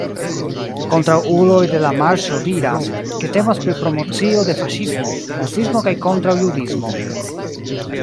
Kontraŭuloj de la Marŝo diras, ke temas pri promocio de faŝismo, rasismo kaj kontraŭjudismo.